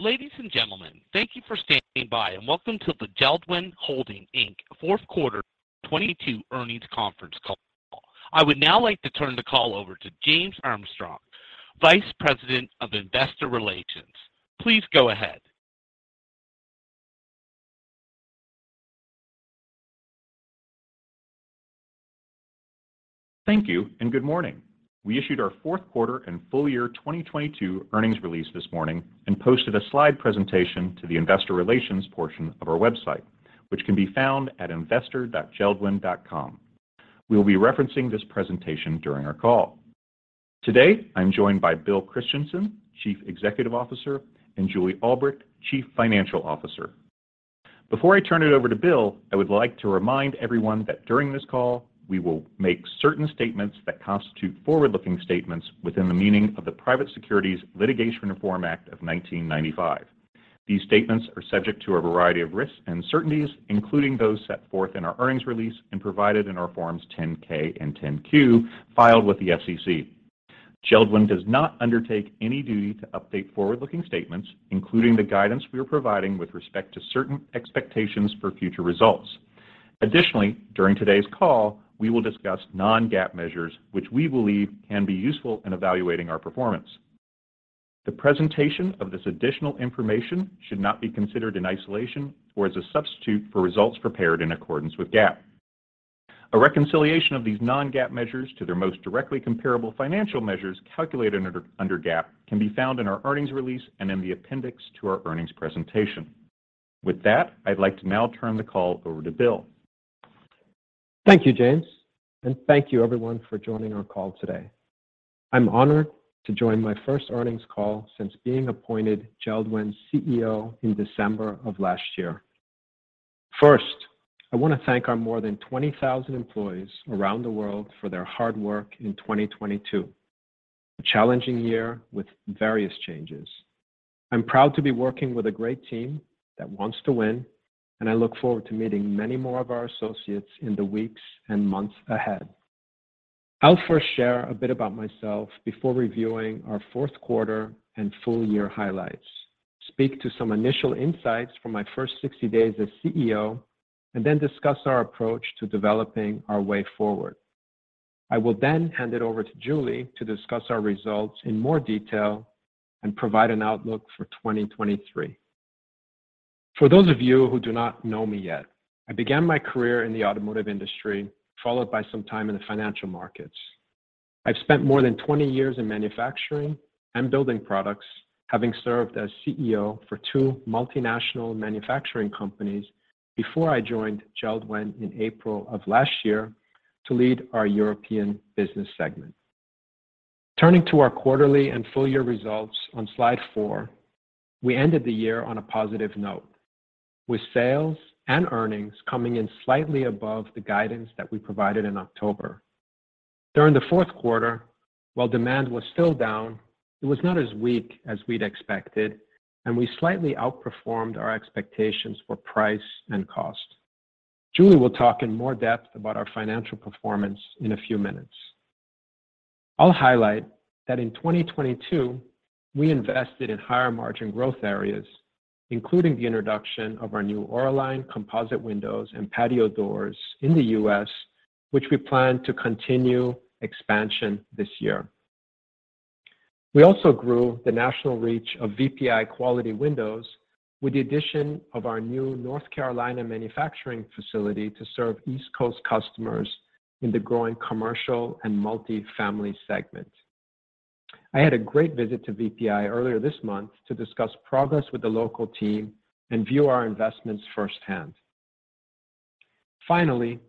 Ladies and gentlemen, thank you for standing by, and welcome to the JELD-WEN Holding, Inc. 4th quarter of 2022 earnings conference call. I would now like to turn the call over to James Armstrong, Vice President of Investor Relations. Please go ahead. Thank you and good morning. We issued our 4th quarter and full year 2022 earnings release this morning and posted a slide presentation to the Investor Relations portion of our website, which can be found at investor.JELD-WEN.com. We'll be referencing this presentation during our call. Today, I'm joined by Bill Christensen, Chief Executive Officer, and Julie Albrecht, Chief Financial Officer. Before I turn it over to Bill, I would like to remind everyone that during this call, we will make certain statements that constitute forward-looking statements within the meaning of the Private Securities Litigation Reform Act of 1995. These statements are subject to a variety of risks and uncertainties, including those set forth in our earnings release and provided in our Form 10-K and Form 10-Q filed with the SEC. JELD-WEN does not undertake any duty to update forward-looking statements, including the guidance we are providing with respect to certain expectations for future results. Additionally, during today's call, we will discuss non-GAAP measures which we believe can be useful in evaluating our performance. The presentation of this additional information should not be considered in isolation or as a substitute for results prepared in accordance with GAAP. A reconciliation of these non-GAAP measures to their most directly comparable financial measures calculated under GAAP can be found in our earnings release and in the appendix to our earnings presentation. With that, I'd like to now turn the call over to Bill. Thank you, James, and thank you everyone for joining our call today. I'm honored to join my first earnings call since being appointed JELD-WEN's CEO in December of last year. First, I wanna thank our more than 20,000 employees around the world for their hard work in 2022, a challenging year with various changes. I'm proud to be working with a great team that wants to win, and I look forward to meeting many more of our associates in the weeks and months ahead. I'll first share a bit about myself before reviewing our 4th quarter and full year highlights, speak to some initial insights from my first 60 days as CEO, and then discuss our approach to developing our way forward. I will then hand it over to Julie to discuss our results in more detail and provide an outlook for 2023. For those of you who do not know me yet, I began my career in the automotive industry, followed by some time in the financial markets. I've spent more than 20 years in manufacturing and building products, having served as CEO for two multinational manufacturing companies before I joined JELD-WEN in April of last year to lead our European business segment. Turning to our quarterly and full year results on slide four, we ended the year on a positive note with sales and earnings coming in slightly above the guidance that we provided in October. During the 4th quarter, while demand was still down, it was not as weak as we'd expected, and we slightly outperformed our expectations for price and cost. Julie will talk in more depth about our financial performance in a few minutes. I'll highlight that in 2022, we invested in higher margin growth areas, including the introduction of our new AuraLine composite windows and patio doors in the U.S., which we plan to continue expansion this year. We also grew the national reach of VPI Quality Windows with the addition of our new North Carolina manufacturing facility to serve East Coast customers in the growing commercial and multifamily segment. I had a great visit to VPI earlier this month to discuss progress with the local team and view our investments firsthand. Finally,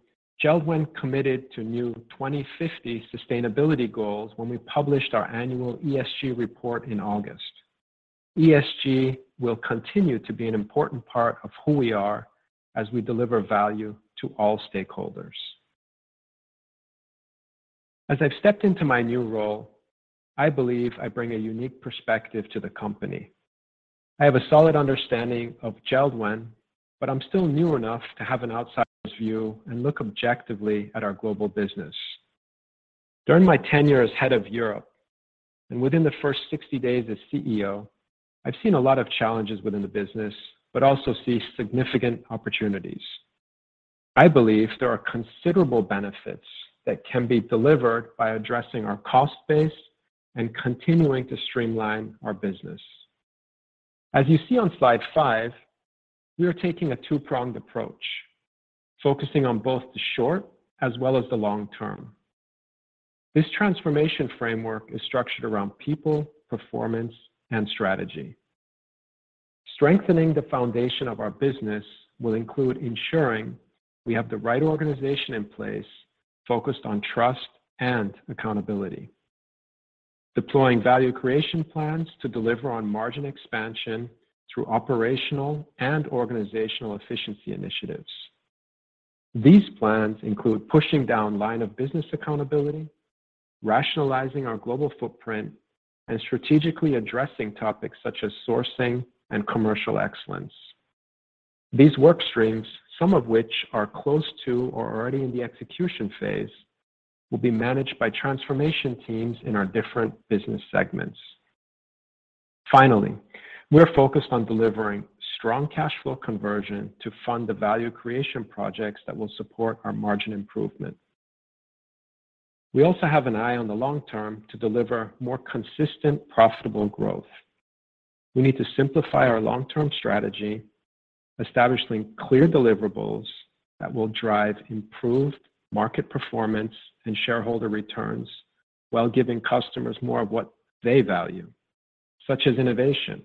JELD-WEN committed to new 2050 sustainability goals when we published our annual ESG report in August. ESG will continue to be an important part of who we are as we deliver value to all stakeholders. As I've stepped into my new role, I believe I bring a unique perspective to the company. I have a solid understanding of JELD-WEN, but I'm still new enough to have an outsider's view and look objectively at our global business. During my tenure as head of Europe, and within the first 60 days as CEO, I've seen a lot of challenges within the business, but also see significant opportunities. I believe there are considerable benefits that can be delivered by addressing our cost base and continuing to streamline our business. As you see on slide five, we are taking a two-pronged approach, focusing on both the short as well as the long term. This transformation framework is structured around people, performance, and strategy. Strengthening the foundation of our business will include ensuring we have the right organization in place focused on trust and accountability. Deploying value creation plans to deliver on margin expansion through operational and organizational efficiency initiatives. These plans include pushing down line of business accountability, rationalizing our global footprint, and strategically addressing topics such as sourcing and commercial excellence. These work streams, some of which are close to or already in the execution phase, will be managed by transformation teams in our different business segments. We are focused on delivering strong cash flow conversion to fund the value creation projects that will support our margin improvement. We also have an eye on the long term to deliver more consistent, profitable growth. We need to simplify our long-term strategy, establishing clear deliverables that will drive improved market performance and shareholder returns while giving customers more of what they value, such as innovation.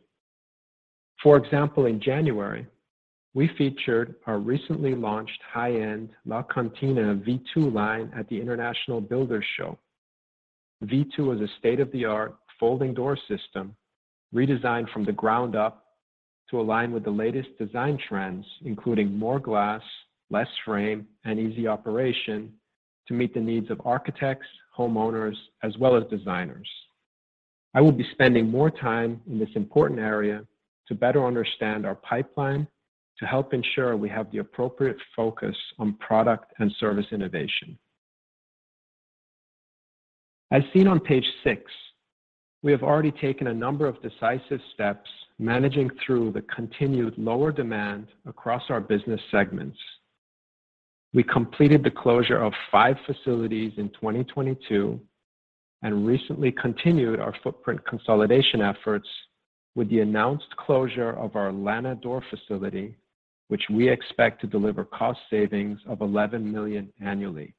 In January, we featured our recently launched high-end LaCantina V2 line at the International Builders' Show. V2 is a state-of-the-art folding door system redesigned from the ground up to align with the latest design trends, including more glass, less frame, and easy operation to meet the needs of architects, homeowners, as well as designers. I will be spending more time in this important area to better understand our pipeline to help ensure we have the appropriate focus on product and service innovation. As seen on page six, we have already taken a number of decisive steps managing through the continued lower demand across our business segments. We completed the closure of five facilities in 2022 and recently continued our footprint consolidation efforts with the announced closure of our Lajas facility, which we expect to deliver cost savings of $11 million annually.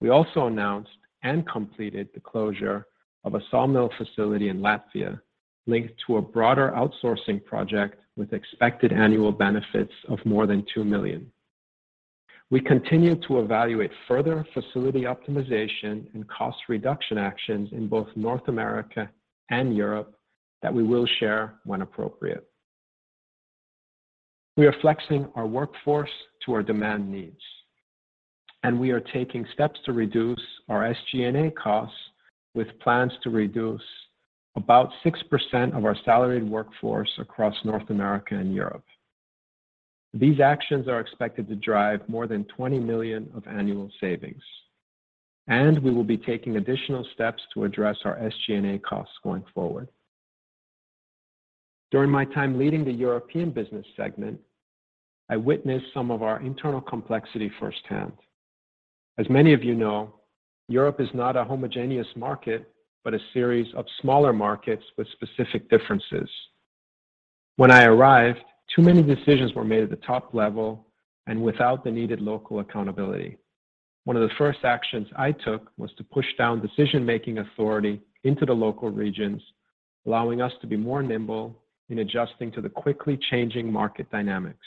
We also announced and completed the closure of a sawmill facility in Latvia linked to a broader outsourcing project with expected annual benefits of more than $2 million. We continue to evaluate further facility optimization and cost reduction actions in both North America and Europe that we will share when appropriate. We are flexing our workforce to our demand needs, and we are taking steps to reduce our SG&A costs with plans to reduce about 6% of our salaried workforce across North America and Europe. These actions are expected to drive more than $20 million of annual savings, and we will be taking additional steps to address our SG&A costs going forward. During my time leading the European business segment, I witnessed some of our internal complexity firsthand. As many of you know, Europe is not a homogeneous market, but a series of smaller markets with specific differences. When I arrived, too many decisions were made at the top level and without the needed local accountability. One of the first actions I took was to push down decision-making authority into the local regions, allowing us to be more nimble in adjusting to the quickly changing market dynamics.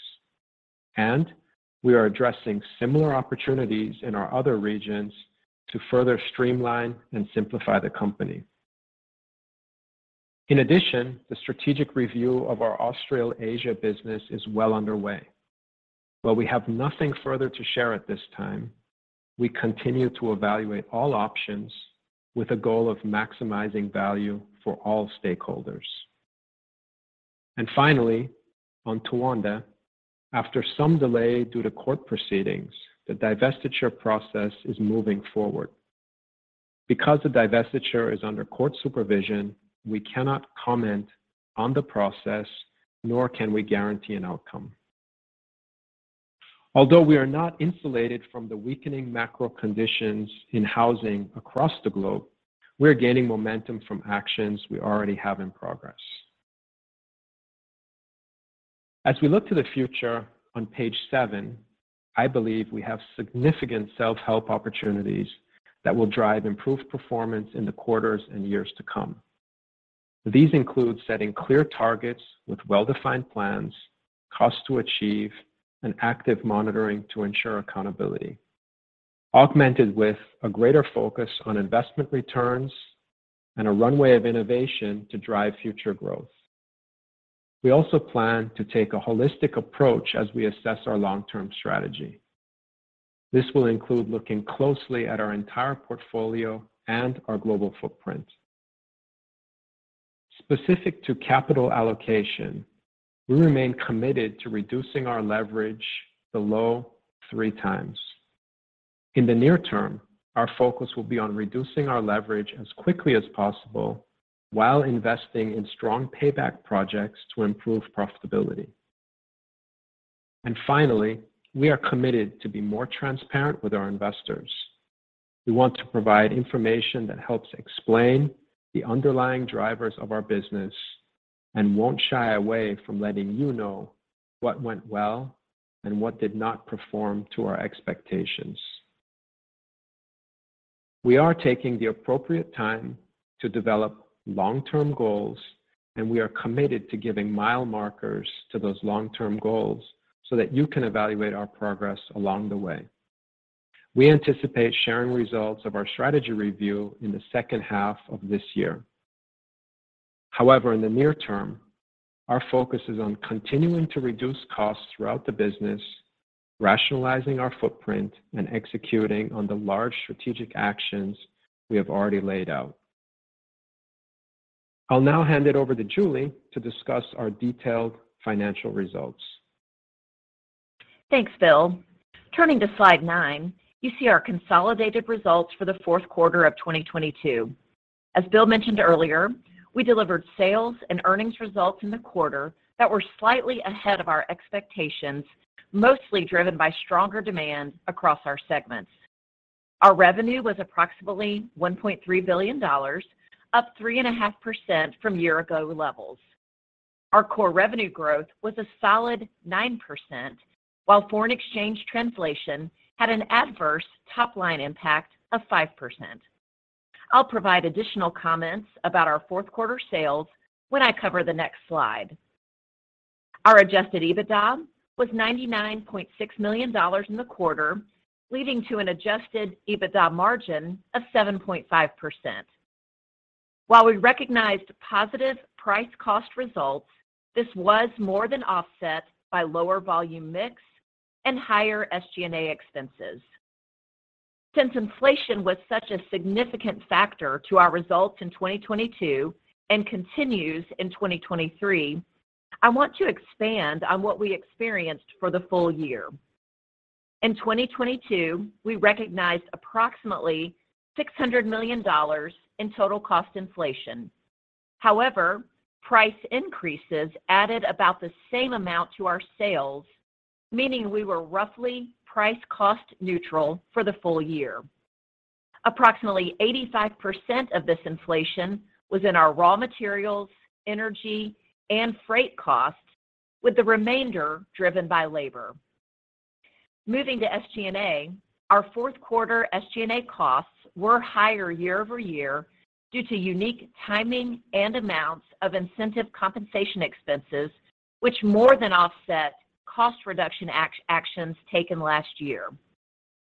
We are addressing similar opportunities in our other regions to further streamline and simplify the company. In addition, the strategic review of our Australasia business is well underway. While we have nothing further to share at this time, we continue to evaluate all options with a goal of maximizing value for all stakeholders. Finally, on Towanda, after some delay due to court proceedings, the divestiture process is moving forward. Because the divestiture is under court supervision, we cannot comment on the process, nor can we guarantee an outcome. Although we are not insulated from the weakening macro conditions in housing across the globe, we are gaining momentum from actions we already have in progress. As we look to the future on page seven, I believe we have significant self-help opportunities that will drive improved performance in the quarters and years to come. These include setting clear targets with well-defined plans, cost to achieve, and active monitoring to ensure accountability, augmented with a greater focus on investment returns and a runway of innovation to drive future growth. We also plan to take a holistic approach as we assess our long-term strategy. This will include looking closely at our entire portfolio and our global footprint. Specific to capital allocation, we remain committed to reducing our leverage below three times. In the near term, our focus will be on reducing our leverage as quickly as possible while investing in strong payback projects to improve profitability. Finally, we are committed to be more transparent with our investors. We want to provide information that helps explain the underlying drivers of our business and won't shy away from letting you know what went well and what did not perform to our expectations. We are taking the appropriate time to develop long-term goals, and we are committed to giving mile markers to those long-term goals so that you can evaluate our progress along the way. We anticipate sharing results of our strategy review in the second half of this year. In the near term, our focus is on continuing to reduce costs throughout the business, rationalizing our footprint, and executing on the large strategic actions we have already laid out. I'll now hand it over to Julie to discuss our detailed financial results. Thanks, Bill. Turning to slide nine, you see our consolidated results for the 4th quarter of 2022. As Bill mentioned earlier, we delivered sales and earnings results in the quarter that were slightly ahead of our expectations, mostly driven by stronger demand across our segments. Our revenue was approximately $1.3 billion, up 3.5% from year-ago levels. Our core revenue growth was a solid 9%, while foreign exchange translation had an adverse top-line impact of 5%. I'll provide additional comments about our 4th quarter sales when I cover the next slide. Our Adjusted EBITDA was $99.6 million in the quarter, leading to an Adjusted EBITDA margin of 7.5%. While we recognized positive price cost results, this was more than offset by lower volume mix and higher SG&A expenses. Since inflation was such a significant factor to our results in 2022 and continues in 2023, I want to expand on what we experienced for the full year. In 2022, we recognized approximately $600 million in total cost inflation. Price increases added about the same amount to our sales, meaning we were roughly price cost neutral for the full year. Approximately 85% of this inflation was in our raw materials, energy, and freight costs, with the remainder driven by labor. Moving to SG&A, our 4th quarter SG&A costs were higher year-over-year due to unique timing and amounts of incentive compensation expenses, which more than offset cost reduction actions taken last year.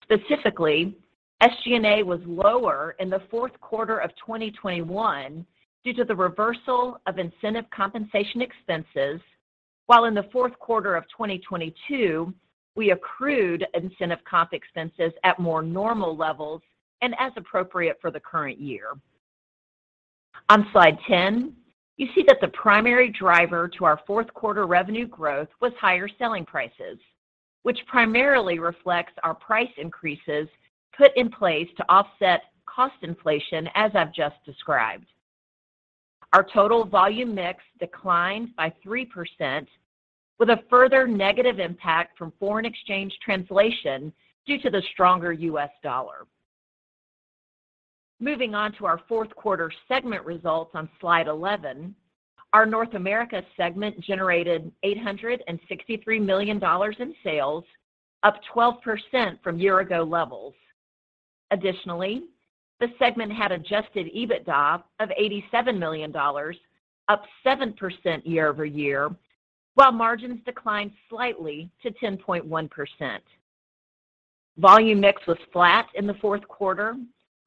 Specifically, SG&A was lower in the 4th quarter of 2021 due to the reversal of incentive compensation expenses, while in the 4th quarter of 2022, we accrued incentive comp expenses at more normal levels and as appropriate for the current year. On slide 10, you see that the primary driver to our 4th quarter revenue growth was higher selling prices, which primarily reflects our price increases put in place to offset cost inflation, as I've just described. Our total volume mix declined by 3% with a further negative impact from foreign exchange translation due to the stronger US dollar. Moving on to our 4th quarter segment results on slide 11, our North America segment generated $863 million in sales, up 12% from year ago levels. Additionally, the segment had Adjusted EBITDA of $87 million, up 7% year-over-year, while margins declined slightly to 10.1%. Volume mix was flat in the 4th quarter,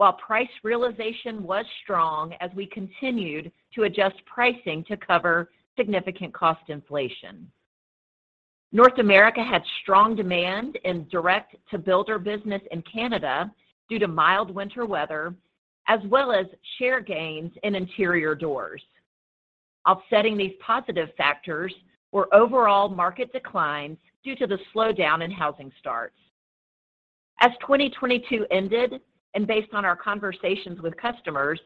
while price realization was strong as we continued to adjust pricing to cover significant cost inflation. North America had strong demand in direct-to-builder business in Canada due to mild winter weather, as well as share gains in interior doors. Offsetting these positive factors were overall market declines due to the slowdown in housing starts. As 2022 ended, and based on our conversations with customers,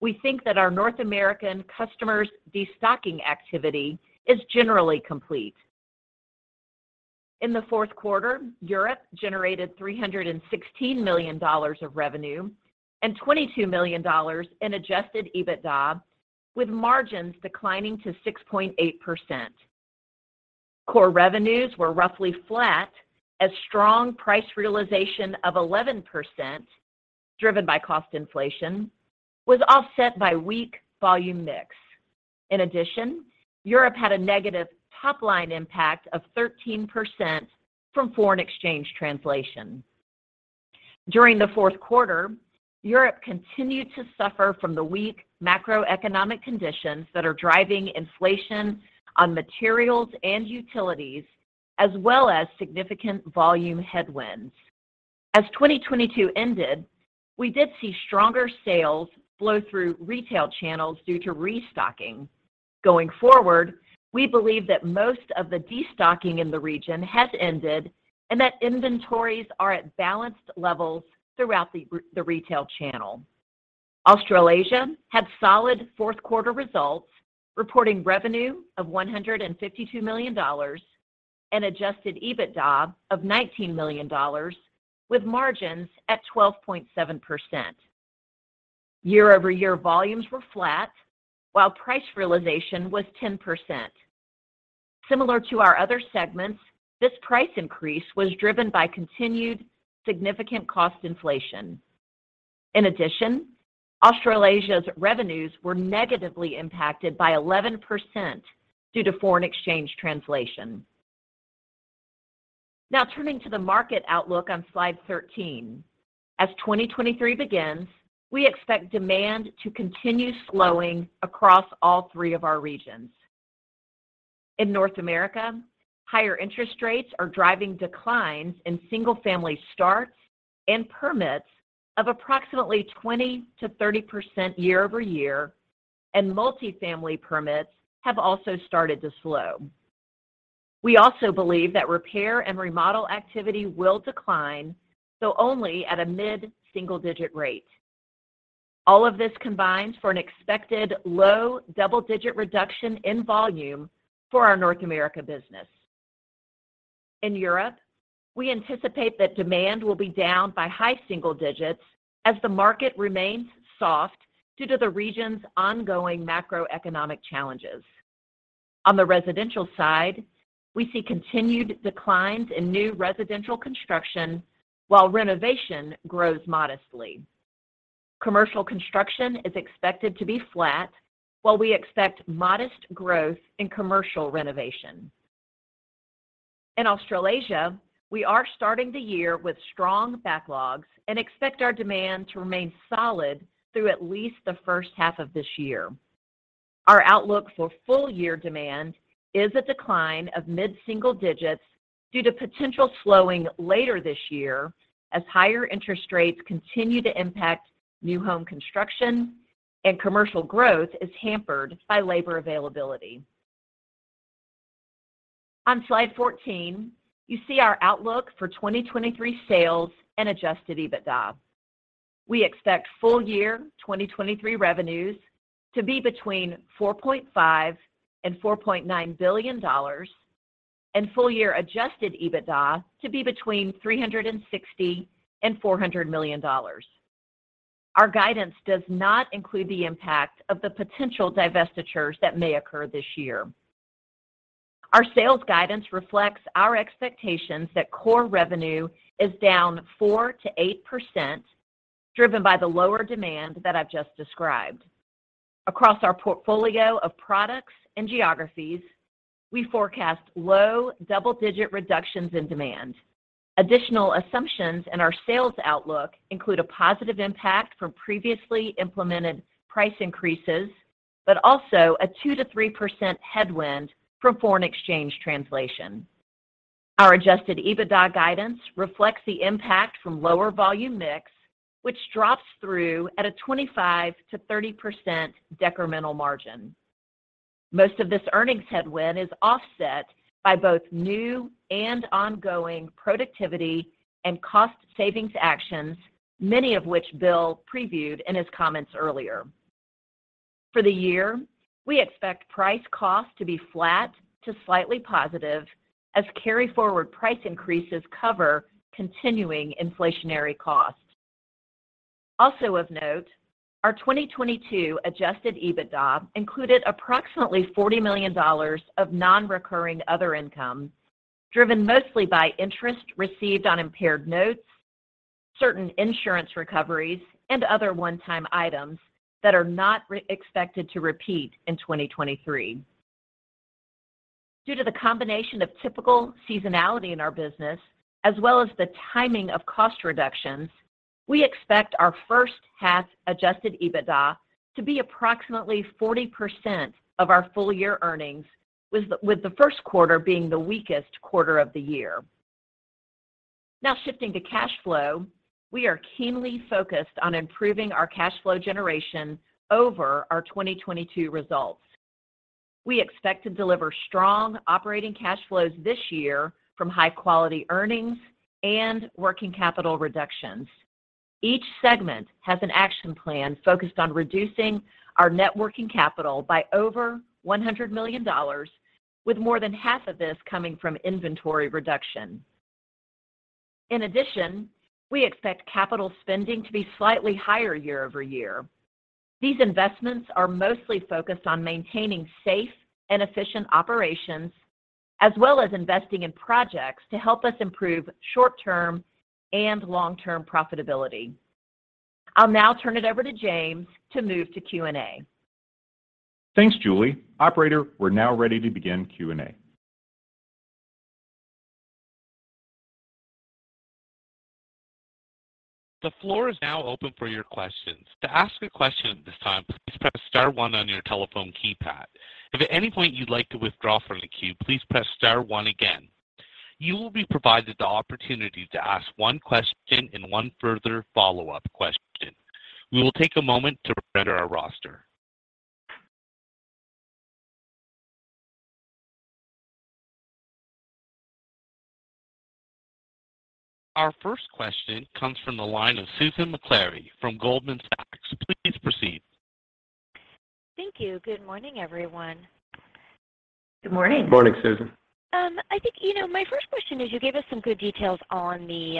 we think that our North American customers' destocking activity is generally complete. In the 4th quarter, Europe generated $316 million of revenue and $22 million in Adjusted EBITDA, with margins declining to 6.8%. Core revenues were roughly flat as strong price realization of 11%, driven by cost inflation, was offset by weak volume mix. Europe had a negative top-line impact of 13% from foreign exchange translation. During the 4th quarter, Europe continued to suffer from the weak macroeconomic conditions that are driving inflation on materials and utilities, as well as significant volume headwinds. 2022 ended, we did see stronger sales flow through retail channels due to restocking. Going forward, we believe that most of the destocking in the region has ended and that inventories are at balanced levels throughout the retail channel. Australasia had solid 4th quarter results, reporting revenue of $152 million and Adjusted EBITDA of $19 million with margins at 12.7%. Year-over-year volumes were flat while price realization was 10%. Similar to our other segments, this price increase was driven by continued significant cost inflation. In addition, Australasia's revenues were negatively impacted by 11% due to foreign exchange translation. Turning to the market outlook on slide 13. As 2023 begins, we expect demand to continue slowing across all three of our regions. In North America, higher interest rates are driving declines in single-family starts and permits of approximately 20%-30% year-over-year, and multi-family permits have also started to slow. We also believe that repair and remodel activity will decline, though only at a mid-single-digit rate. All of this combines for an expected low double-digit reduction in volume for our North America business. In Europe, we anticipate that demand will be down by high single digits as the market remains soft due to the region's ongoing macroeconomic challenges. On the residential side, we see continued declines in new residential construction while renovation grows modestly. Commercial construction is expected to be flat, while we expect modest growth in commercial renovation. In Australasia, we are starting the year with strong backlogs and expect our demand to remain solid through at least the first half of this year. Our outlook for full-year demand is a decline of mid-single digits due to potential slowing later this year as higher interest rates continue to impact new home construction and commercial growth is hampered by labor availability. On slide 14, you see our outlook for 2023 sales and Adjusted EBITDA. We expect full-year 2023 revenues to be between $4.5 billion and $4.9 billion and full-year Adjusted EBITDA to be between $360 million and $400 million. Our guidance does not include the impact of the potential divestitures that may occur this year. Our sales guidance reflects our expectations that core revenue is down 4%-8%, driven by the lower demand that I've just described. Across our portfolio of products and geographies, we forecast low double-digit reductions in demand. Additional assumptions in our sales outlook include a positive impact from previously implemented price increases, but also a 2%-3% headwind from foreign exchange translation. Our Adjusted EBITDA guidance reflects the impact from lower volume mix, which drops through at a 25%-30% decremental margin. Most of this earnings headwind is offset by both new and ongoing productivity and cost savings actions, many of which Bill previewed in his comments earlier. For the year, we expect price cost to be flat to slightly positive as carry-forward price increases cover continuing inflationary costs. Also of note, our 2022 Adjusted EBITDA included approximately $40 million of non-recurring other income, driven mostly by interest received on impaired notes, certain insurance recoveries, and other one-time items that are not expected to repeat in 2023. Due to the combination of typical seasonality in our business, as well as the timing of cost reductions, we expect our first-half Adjusted EBITDA to be approximately 40% of our full-year earnings, with the 1st quarter being the weakest quarter of the year. Shifting to cash flow, we are keenly focused on improving our cash flow generation over our 2022 results. We expect to deliver strong operating cash flows this year from high-quality earnings and working capital reductions. Each segment has an action plan focused on reducing our net working capital by over $100 million, with more than half of this coming from inventory reduction. In addition, we expect capital spending to be slightly higher year-over-year. These investments are mostly focused on maintaining safe and efficient operations, as well as investing in projects to help us improve short-term and long-term profitability. I'll now turn it over to James to move to Q&A. Thanks, Julie. Operator, we're now ready to begin Q&A. The floor is now open for your questions. To ask a question at this time, please press star one on your telephone keypad. If at any point you'd like to withdraw from the queue, please press star one again. You will be provided the opportunity to ask one question and one further follow-up question. We will take a moment to prepare our roster. Our first question comes from the line of Susan Maklari from Goldman Sachs. Please proceed. Thank you. Good morning, everyone. Good morning. Morning, Susan. I think, you know, my first question is you gave us some good details on the,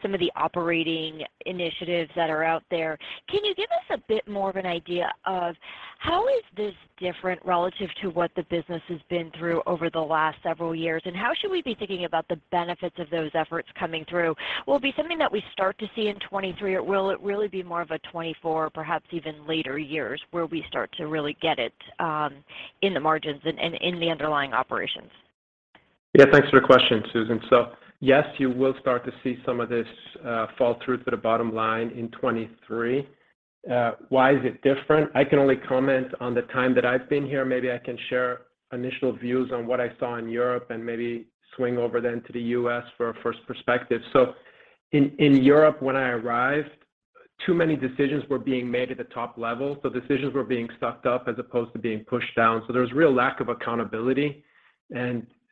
some of the operating initiatives that are out there. Can you give us a bit more of an idea of how is this different relative to what the business has been through over the last several years? How should we be thinking about the benefits of those efforts coming through? Will it be something that we start to see in 23, or will it really be more of a 24, perhaps even later years, where we start to really get it, in the margins and in the underlying operations? Yeah, thanks for the question, Susan. Yes, you will start to see some of this fall through to the bottom line in 23. Why is it different? I can only comment on the time that I've been here. Maybe I can share initial views on what I saw in Europe and maybe swing over then to the U.S. for a first perspective. In Europe when I arrived, too many decisions were being made at the top level. Decisions were being sucked up as opposed to being pushed down. There was real lack of accountability.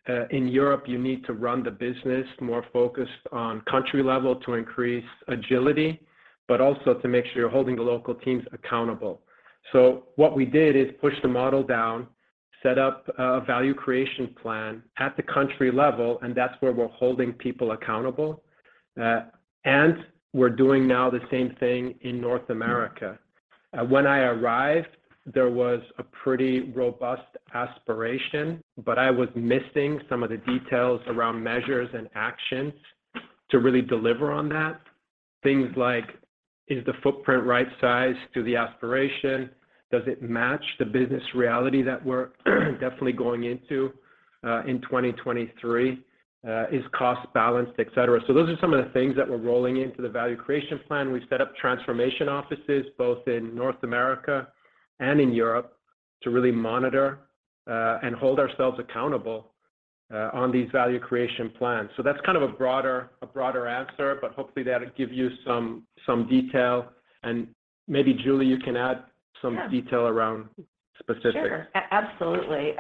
In Europe, you need to run the business more focused on country level to increase agility, but also to make sure you're holding the local teams accountable. What we did is push the model down, set up a value creation plan at the country level, and that's where we're holding people accountable. We're doing now the same thing in North America. When I arrived, there was a pretty robust aspiration, but I was missing some of the details around measures and actions to really deliver on that. Things like, is the footprint right-sized to the aspiration? Does it match the business reality that we're definitely going into in 2023? Is cost balanced, etc. Those are some of the things that we're rolling into the value creation plan. We've set up transformation offices both in North America and in Europe to really monitor and hold ourselves accountable on these value creation plans. That's kind of a broader answer, but hopefully that'll give you some detail. Maybe Julie, you can add. Yeah Detail around specifics. Sure. Absolutely.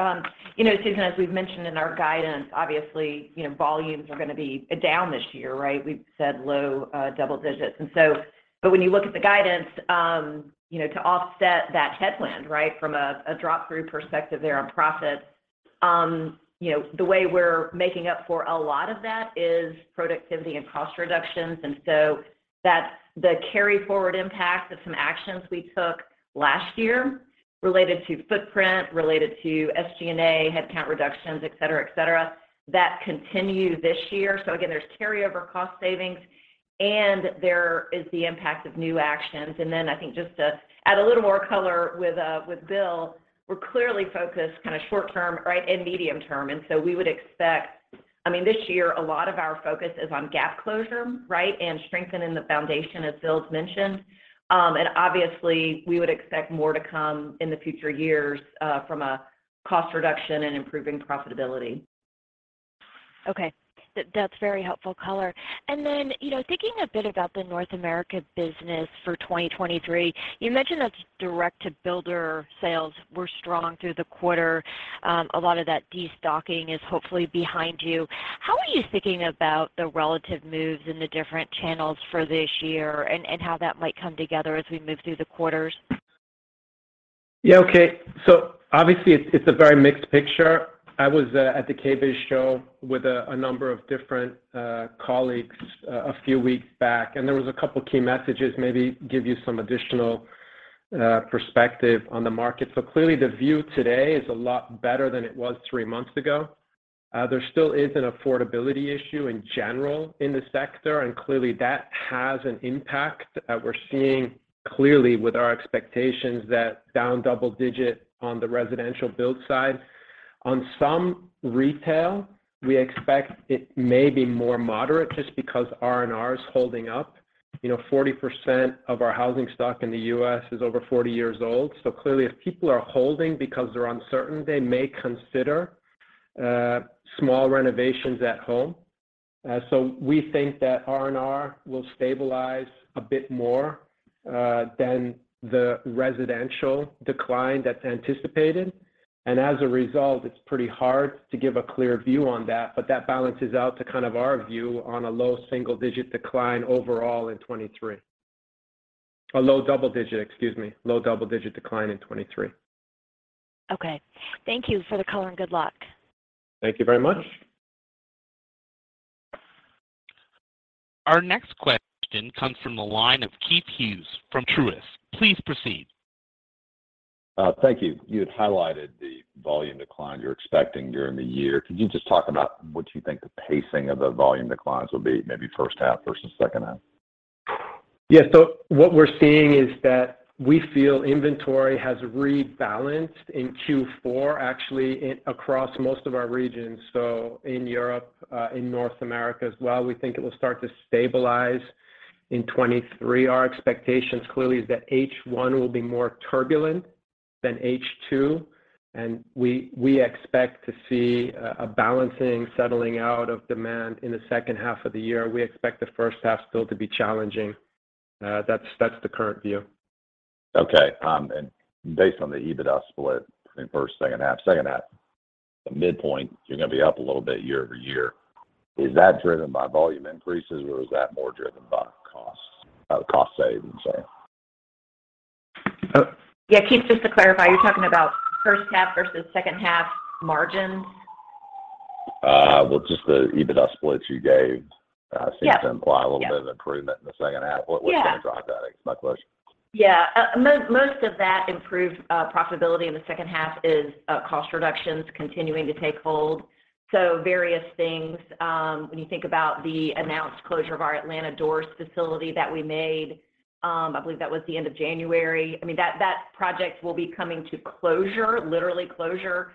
You know, Susan, as we've mentioned in our guidance, obviously, you know, volumes are gonna be down this year, right? We've said low double digits. But when you look at the guidance, you know, to offset that headwind, right, from a drop through perspective there on profit, you know, the way we're making up for a lot of that is productivity and cost reductions. That's the carry forward impact of some actions we took last year related to footprint, related to SG&A, headcount reductions, et cetera, et cetera, that continue this year. Again, there's carryover cost savings, and there is the impact of new actions. Then I think just to add a little more color with Bill, we're clearly focused kinda short term, right, and medium term. We would expect I mean, this year a lot of our focus is on gap closure, right? Strengthening the foundation as Bill's mentioned. Obviously we would expect more to come in the future years, from a cost reduction and improving profitability. Okay. That's very helpful color. You know, thinking a bit about the North America business for 2023, you mentioned that direct to builder sales were strong through the quarter. A lot of that destocking is hopefully behind you. How are you thinking about the relative moves in the different channels for this year and how that might come together as we move through the quarters? Yeah. Okay. Obviously it's a very mixed picture. I was at the KBIS show with a number of different colleagues a few weeks back, and there was a couple key messages maybe give you some additional perspective on the market. Clearly the view today is a lot better than it was three months ago. There still is an affordability issue in general in the sector, and clearly that has an impact that we're seeing clearly with our expectations that down double digit on the residential build side. On some retail, we expect it may be more moderate just because R&R is holding up. You know, 40% of our housing stock in the U.S. is over 40 years old. Clearly if people are holding because they're uncertain, they may consider small renovations at home. We think that R&R will stabilize a bit more than the residential decline that's anticipated. As a result, it's pretty hard to give a clear view on that. That balances out to kind of our view on a low single digit decline overall in 2023. A low double digit, excuse me. Low double digit decline in 2023. Okay. Thank you for the color, and good luck. Thank you very much. Our next question comes from the line of Keith Hughes from Truist. Please proceed. Thank you. You had highlighted the volume decline you're expecting during the year. Could you just talk about what you think the pacing of the volume declines will be, maybe first half versus second half? What we're seeing is that we feel inventory has rebalanced in Q4 actually across most of our regions. In Europe, in North America as well, we think it will start to stabilize in 2023. Our expectations clearly is that H1 will be more turbulent than H2, we expect to see a balancing settling out of demand in the second half of the year. We expect the first half still to be challenging. That's the current view. Based on the EBITDA split in first, second half, second half, the midpoint, you're gonna be up a little bit year-over-year. Is that driven by volume increases, or is that more driven by cost savings? Uh- Yeah, Keith, just to clarify, you're talking about first half versus second half margins? Well, just the EBITDA splits you gave. Yeah Seems to imply a little bit of improvement in the second half. Yeah. What's gonna drive that? It's my question. Yeah. Most of that improved profitability in the second half is cost reductions continuing to take hold. Various things, when you think about the announced closure of our Atlanta Doors facility that we made. I believe that was the end of January. I mean, that project will be coming to closure, literally closure,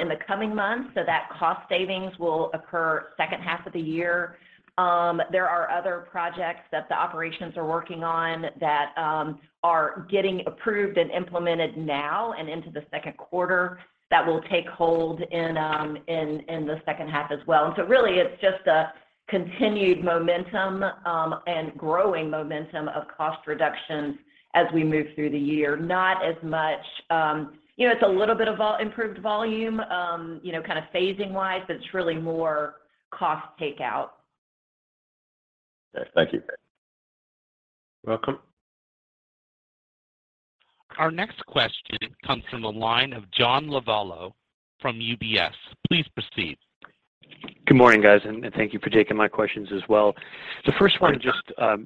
in the coming months, so that cost savings will occur second half of the year. There are other projects that the operations are working on that are getting approved and implemented now and into the 2nd quarter that will take hold in the second half as well. Really it's just a continued momentum and growing momentum of cost reductions as we move through the year. Not as much, you know, it's a little bit of improved volume, you know, kind of phasing-wise, but it's really more cost takeout. Okay. Thank you. Welcome. Our next question comes from the line of John Lovallo from UBS. Please proceed. Good morning, guys, and thank you for taking my questions as well. The first one. Hi.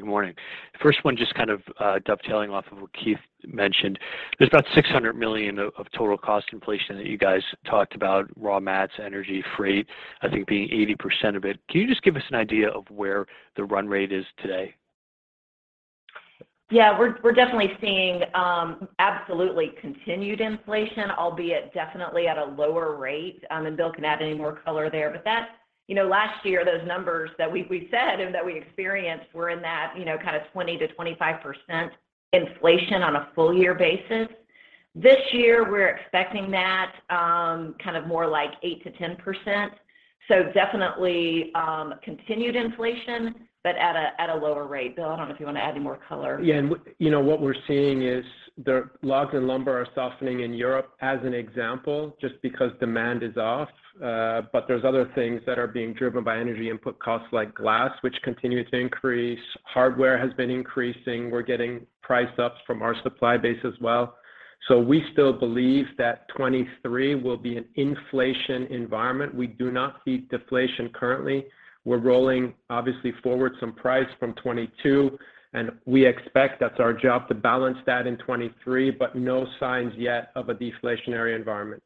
Good morning. The first one just kind of dovetailing off of what Keith mentioned. There's about $600 million of total cost inflation that you guys talked about, raw mats, energy, freight, I think being 80% of it. Can you just give us an idea of where the run rate is today? Yeah. We're definitely seeing absolutely continued inflation, albeit definitely at a lower rate. Bill can add any more color there. That, you know, last year, those numbers that we said and that we experienced were in that, you know, kind of 20%-25% inflation on a full year basis. This year, we're expecting that kind of more like 8%-10%, so definitely continued inflation but at a lower rate. Bill, I don't know if you wanna add any more color. You know, what we're seeing is the logs and lumber are softening in Europe, as an example, just because demand is off. There's other things that are being driven by energy input costs like glass, which continue to increase. Hardware has been increasing. We're getting price ups from our supply base as well. We still believe that 2023 will be an inflation environment. We do not see deflation currently. We're rolling, obviously, forward some price from 2022, and we expect that's our job to balance that in 2023, but no signs yet of a deflationary environment.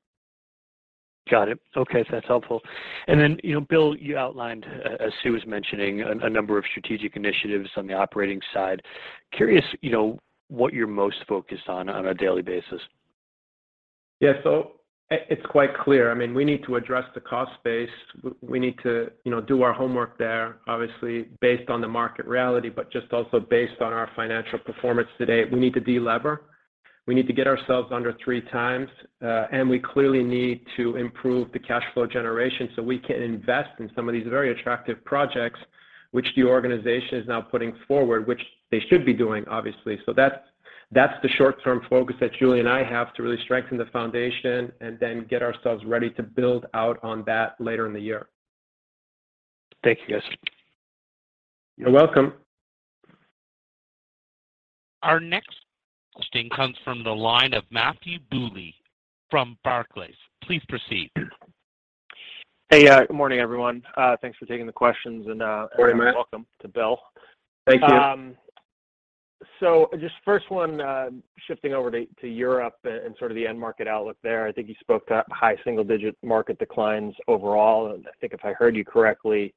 Got it. Okay. That's helpful. Then, you know, Bill, you outlined, as Sue was mentioning, a number of strategic initiatives on the operating side. Curious, you know, what you're most focused on on a daily basis? Yeah. It's quite clear. I mean, we need to address the cost base. We need to, you know, do our homework there, obviously, based on the market reality, but just also based on our financial performance today. We need to de-lever. We need to get ourselves under three times. We clearly need to improve the cash flow generation so we can invest in some of these very attractive projects which the organization is now putting forward, which they should be doing, obviously. That's the short-term focus that Julie and I have to really strengthen the foundation and then get ourselves ready to build out on that later in the year. Thank you, guys. You're welcome. Our next question comes from the line of Matthew Bouley from Barclays. Please proceed. Hey. Good morning, everyone. Thanks for taking the questions. Good morning, Matt. welcome to Bill. Thank you. Just first one, shifting over to Europe and sort of the end market outlook there. I think you spoke to high single-digit market declines overall. I think if I heard you correctly,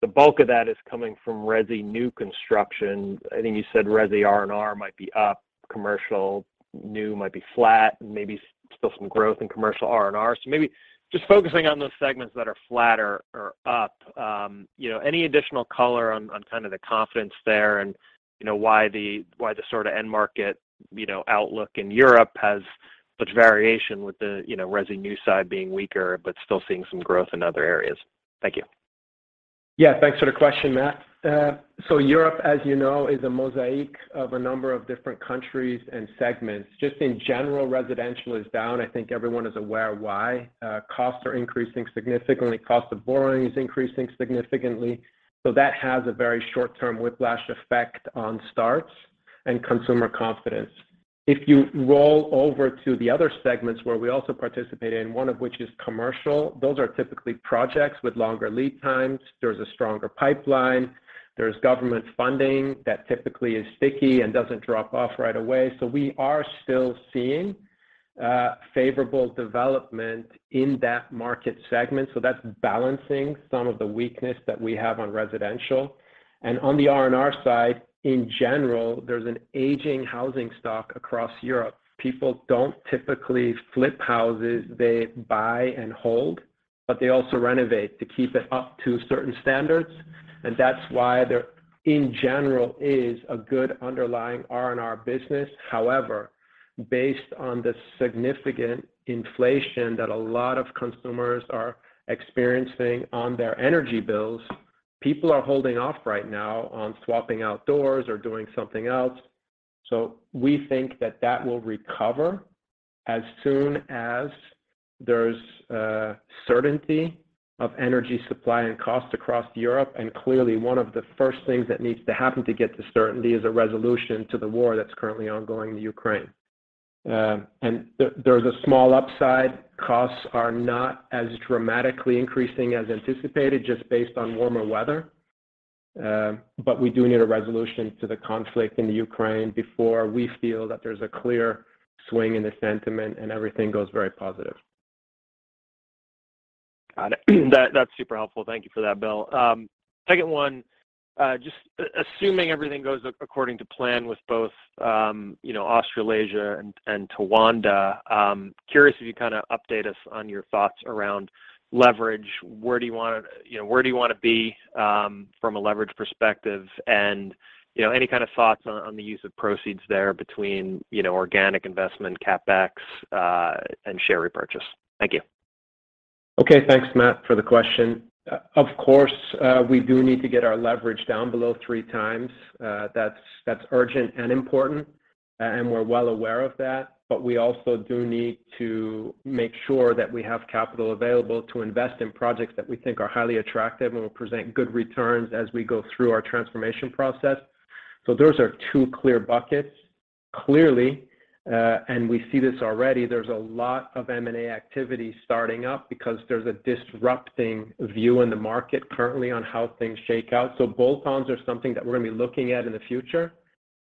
the bulk of that is coming from resi new construction. I think you said resi R&R might be up, commercial new might be flat, and maybe still some growth in commercial R&R. Maybe just focusing on those segments that are flatter or up, you know, any additional color on kind of the confidence there and, you know, why the, why the sort of end market, you know, outlook in Europe has such variation with the, you know, resi new side being weaker, but still seeing some growth in other areas. Thank you. Thanks for the question, Matt. Europe, as you know, is a mosaic of a number of different countries and segments. Just in general, residential is down. I think everyone is aware why. Costs are increasing significantly. Cost of borrowing is increasing significantly. That has a very short-term whiplash effect on starts and consumer confidence. If you roll over to the other segments where we also participate in, one of which is commercial, those are typically projects with longer lead times. There's a stronger pipeline. There's government funding that typically is sticky and doesn't drop off right away. We are still seeing favorable development in that market segment, that's balancing some of the weakness that we have on residential. On the R&R side, in general, there's an aging housing stock across Europe. People don't typically flip houses. They buy and hold, but they also renovate to keep it up to certain standards, and that's why there, in general, is a good underlying R&R business. However, based on the significant inflation that a lot of consumers are experiencing on their energy bills, people are holding off right now on swapping out doors or doing something else. We think that that will recover as soon as there's certainty of energy supply and cost across Europe. Clearly, one of the first things that needs to happen to get the certainty is a resolution to the war that's currently ongoing in Ukraine. There's a small upside. Costs are not as dramatically increasing as anticipated just based on warmer weather. We do need a resolution to the conflict in the Ukraine before we feel that there's a clear swing in the sentiment and everything goes very positive. Got it. That's super helpful. Thank you for that, Bill. Second one, just assuming everything goes according to plan with both, you know, Australasia and Towanda, curious if you kind of update us on your thoughts around leverage. Where do you wanna, you know, where do you wanna be from a leverage perspective? You know, any kind of thoughts on the use of proceeds there between, you know, organic investment, CapEx, and share repurchase? Thank you. Okay. Thanks, Matt, for the question. Of course, we do need to get our leverage down below 3 times. That's urgent and important, and we're well aware of that, but we also do need to make sure that we have capital available to invest in projects that we think are highly attractive and will present good returns as we go through our transformation process. Those are two clear buckets. Clearly, and we see this already, there's a lot of M&A activity starting up because there's a disrupting view in the market currently on how things shake out. Bolt-ons are something that we're gonna be looking at in the future,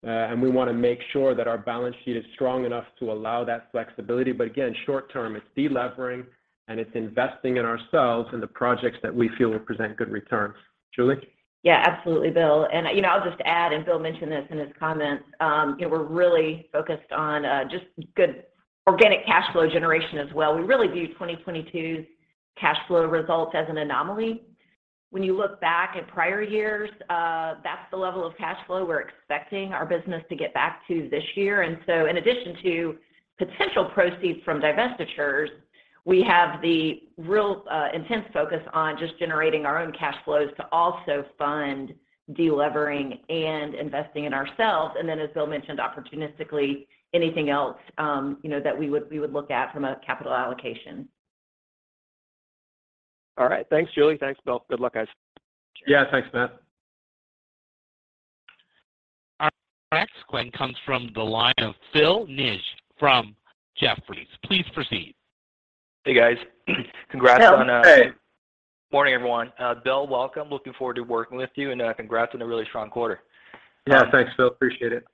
and we wanna make sure that our balance sheet is strong enough to allow that flexibility. Again, short term, it's de-levering, and it's investing in ourselves and the projects that we feel will present good returns. Julie? Absolutely, Bill. You know, I'll just add, and Bill mentioned this in his comments, you know, we're really focused on just good organic cash flow generation as well. We really view 2022's cash flow results as an anomaly. When you look back at prior years, that's the level of cash flow we're expecting our business to get back to this year. In addition to potential proceeds from divestitures, we have the real intense focus on just generating our own cash flows to also fund de-levering and investing in ourselves. As Bill mentioned, opportunistically, anything else, you know, that we would look at from a capital allocation. All right. Thanks, Julie. Thanks, Bill. Good luck, guys. Sure. Yeah. Thanks, Matt. Our next question comes from the line of Philip Ng from Jefferies. Please proceed. Hey, guys. Congrats on. Phil, hey. Morning, everyone. Bill, welcome. Looking forward to working with you, and, congrats on a really strong quarter. Yeah. Thanks, Phil. Appreciate it.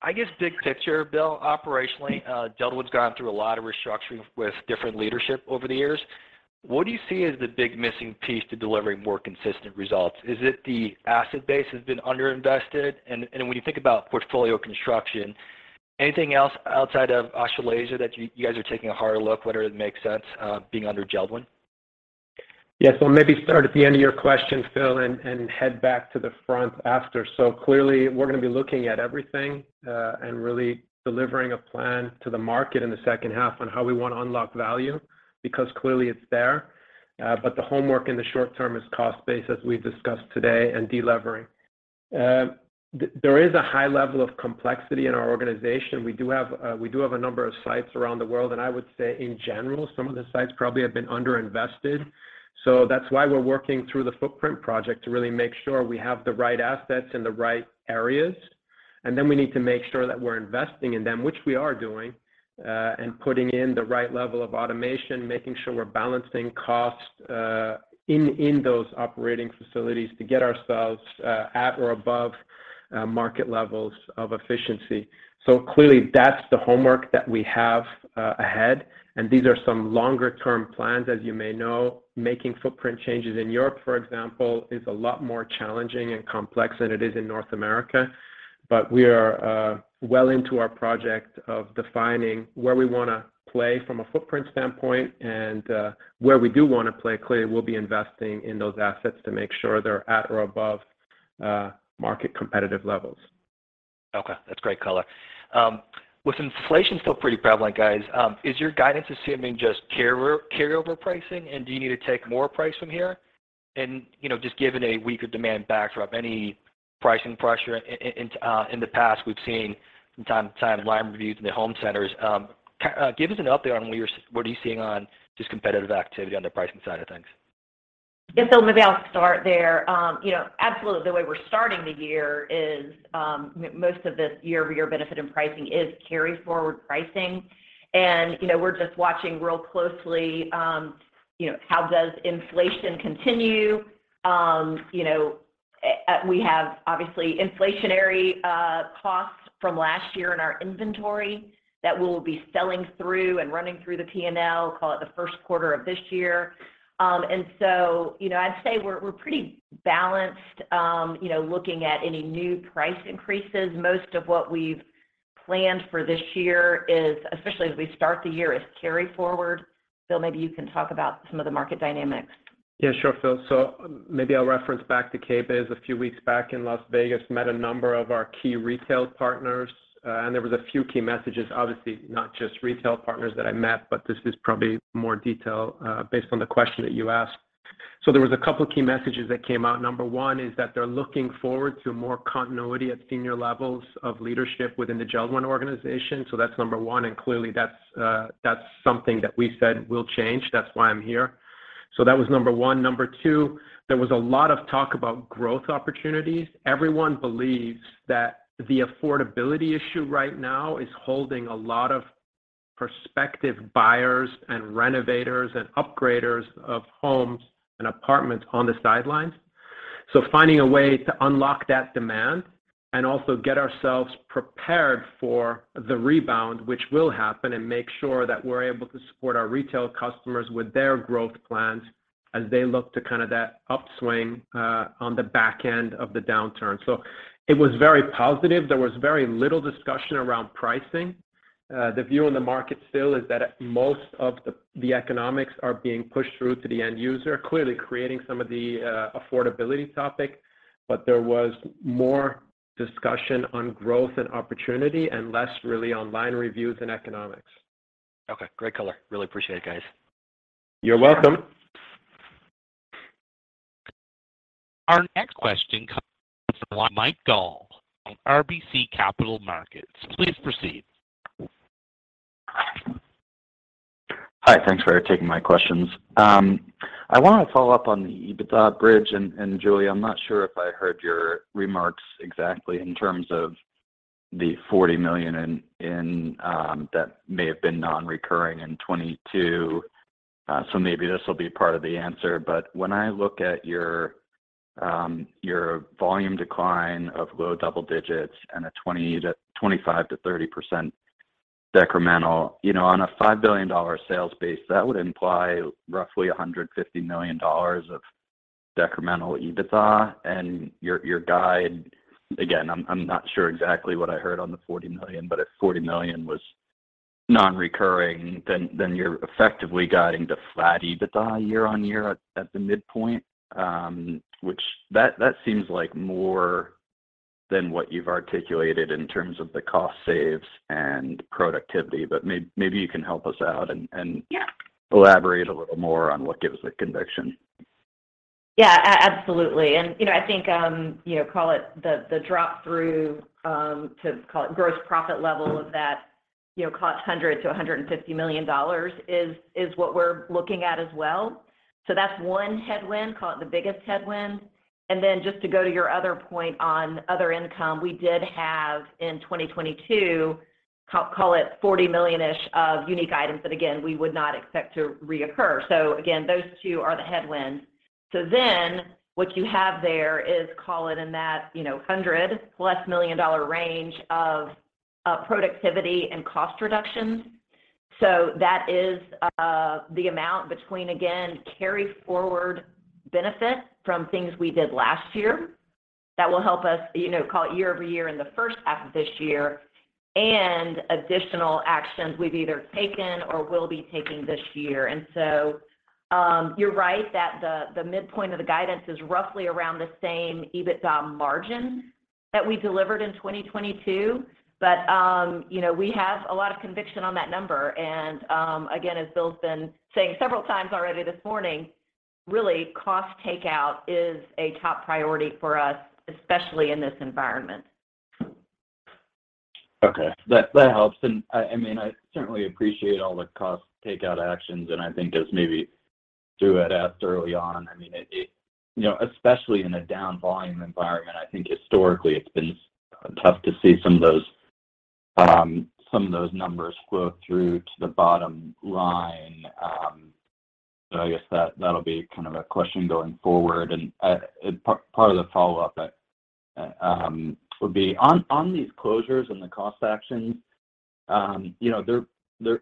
I guess big picture, Bill, operationally, Jeld-Wen's gone through a lot of restructuring with different leadership over the years. What do you see as the big missing piece to delivering more consistent results? Is it the asset base has been under-invested? When you think about portfolio construction, anything else outside of Australasia that you guys are taking a harder look whether it makes sense being under Jeld-Wen? Yeah. Maybe start at the end of your question, Phil, and head back to the front after. Clearly, we're gonna be looking at everything, and really delivering a plan to the market in the second half on how we wanna unlock value, because clearly it's there. The homework in the short term is cost base, as we've discussed today, and de-levering. There is a high level of complexity in our organization. We do have a number of sites around the world, and I would say in general, some of the sites probably have been under-invested. That's why we're working through the footprint project to really make sure we have the right assets in the right areas. We need to make sure that we're investing in them, which we are doing, and putting in the right level of automation, making sure we're balancing costs in those operating facilities to get ourselves at or above market levels of efficiency. Clearly, that's the homework that we have ahead, and these are some longer term plans. As you may know, making footprint changes in Europe, for example, is a lot more challenging and complex than it is in North America. We are well into our project of defining where we wanna play from a footprint standpoint and where we do wanna play, clearly we'll be investing in those assets to make sure they're at or above market competitive levels. Okay. That's great color. With inflation still pretty prevalent, guys, is your guidance assuming just carryover pricing, and do you need to take more price from here? You know, just given a weaker demand backdrop, any pricing pressure? In the past, we've seen from time to time line reviews in the home centers. Give us an update on what you're seeing on just competitive activity on the pricing side of things? Yeah, Phil, maybe I'll start there. You know, absolutely the way we're starting the year is, most of this year-over-year benefit in pricing is carry forward pricing. You know, we're just watching real closely, you know, how does inflation continue. You know, we have obviously inflationary costs from last year in our inventory that we'll be selling through and running through the P&L, call it the 1st quarter of this year. You know, I'd say we're pretty balanced, you know, looking at any new price increases. Most of what we've planned for this year is, especially as we start the year, is carry forward. Phil, maybe you can talk about some of the market dynamics. Yeah, sure, Phil. Maybe I'll reference back to KBIS a few weeks back in Las Vegas, met a number of our key retail partners. There was a few key messages, obviously, not just retail partners that I met, but this is probably more detail based on the question that you asked. There was a couple key messages that came out. Number one is that they're looking forward to more continuity at senior levels of leadership within the Jeld-Wen organization. That's number one, and clearly that's something that we said will change. That's why I'm here. That was number one. Number two, there was a lot of talk about growth opportunities. Everyone believes that the affordability issue right now is holding a lot of prospective buyers and renovators and upgraders of homes and apartments on the sidelines. Finding a way to unlock that demand and also get ourselves prepared for the rebound, which will happen, and make sure that we're able to support our retail customers with their growth plans as they look to kind of that upswing on the back end of the downturn. It was very positive. There was very little discussion around pricing. The view in the market still is that most of the economics are being pushed through to the end user, clearly creating some of the affordability topic. There was more discussion on growth and opportunity and less really online reviews and economics. Okay. Great color. Really appreciate it, guys. You're welcome. Our next question comes from Michael Dudas from RBC Capital Markets. Please proceed. Hi. Thanks for taking my questions. I wanna follow up on the EBITDA bridge, and Julie, I'm not sure if I heard your remarks exactly in terms of the $40 million in that may have been non-recurring in 2022. Maybe this will be part of the answer. When I look at your volume decline of low double digits and a 25%-30% decremental, you know, on a $5 billion sales base, that would imply roughly $150 million of decremental EBITDA. Your guide, again, I'm not sure exactly what I heard on the $40 million, but if $40 million was non-recurring, then you're effectively guiding to flat EBITDA year-on-year at the midpoint. Which that seems like more than what you've articulated in terms of the cost saves and productivity? Maybe you can help us out and. Yeah Elaborate a little more on what gives the conviction. Yeah. Absolutely. You know, I think, you know, call it the drop through to call it gross profit level of that, you know, cost $100 million-$150 million is what we're looking at as well. That's one headwind, call it the biggest headwind. Just to go to your other point on other income, we did have in 2022, call it $40 million-ish of unique items that, again, we would not expect to reoccur. Again, those two are the headwinds. What you have there is, call it in that, you know, $100 million plus range of productivity and cost reductions. That is the amount between, again, carry forward benefit from things we did last year that will help us, you know, call it year-over-year in the first half of this year, and additional actions we've either taken or will be taking this year. You're right that the midpoint of the guidance is roughly around the same EBITDA margin that we delivered in 2022. But, you know, we have a lot of conviction on that number. Again, as Bill's been saying several times already this morning, really cost takeout is a top priority for us, especially in this environment. Okay. That helps. I mean, I certainly appreciate all the cost takeout actions, and I think as maybe Sue had asked early on, I mean, you know, especially in a down volume environment, I think historically it's been tough to see some of those, some of those numbers flow through to the bottom line. I guess that'll be kind of a question going forward. part of the follow-up would be on these closures and the cost actions, you know,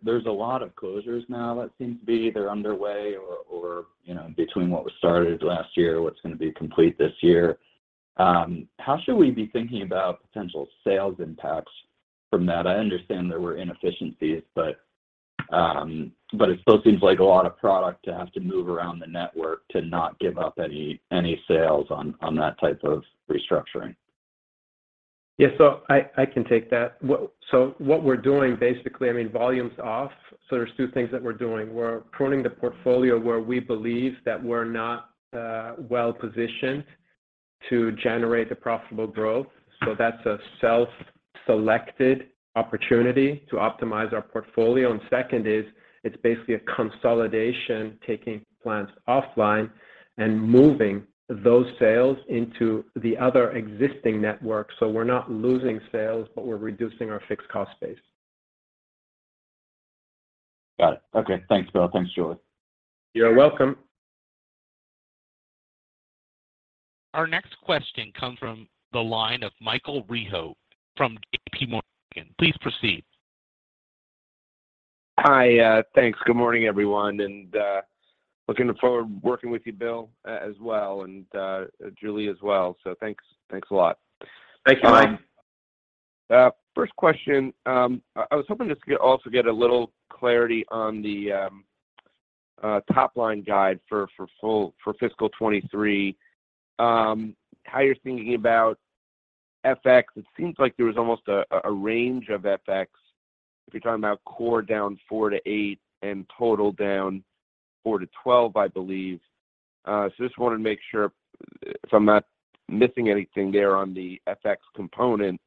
there's a lot of closures now that seem to be either underway or, you know, between what was started last year or what's gonna be complete this year. How should we be thinking about potential sales impacts from that? I understand there were inefficiencies, but it still seems like a lot of product to have to move around the network to not give up any sales on that type of restructuring. Yeah. I can take that. What we're doing, basically, I mean, volume's off, so there's two things that we're doing. We're pruning the portfolio where we believe that we're not well-positioned to generate the profitable growth. That's a self-selected opportunity to optimize our portfolio. Second is it's basically a consolidation, taking plants offline and moving those sales into the other existing network. We're not losing sales, but we're reducing our fixed cost base. Got it. Okay. Thanks, Bill. Thanks, Julie. You're welcome. Our next question come from the line of Michael Rehaut from JPMorgan. Please proceed. Hi. Thanks. Good morning, everyone, and looking forward working with you, Bill, as well, and Julie as well. Thanks, thanks a lot. Thank you, Mike. First question. I was hoping just to get a little clarity on the top line guide for fiscal 2023. How you're thinking about FX. It seems like there was almost a range of FX if you're talking about core down 4%-8% and total down 4%-12%, I believe. Just wanted to make sure if I'm not missing anything there on the FX component.